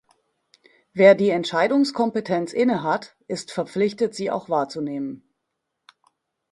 Wer die Entscheidungskompetenz innehat, ist verpflichtet, sie auch wahrzunehmen.